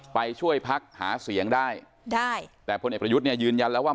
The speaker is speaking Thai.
ไปช่วยพักหาเสียงได้ได้แต่พลเอกประยุทธ์เนี่ยยืนยันแล้วว่า